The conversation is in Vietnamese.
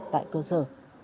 tại cơ sở